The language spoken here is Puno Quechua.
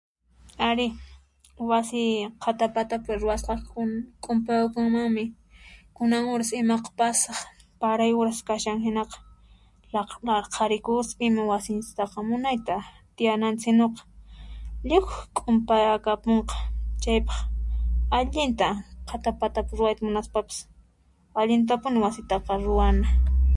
Ari, wasiy qhata partapi ruwasqa, k'un k'unparakunmanmi, kunan uras inuq pasaq paray uras kashan hinaqa laq laqharikuspa wasita munayta a tiyananchis hinaspa lliwq k'unp'arakamunka chaypaq allinta a qhatarpatapi ruwayta munaspapas allintapuni wasitaqa ruwana.